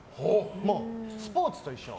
もう、スポーツと一緒。